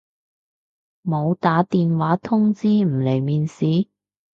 冇打電話通知唔嚟面試？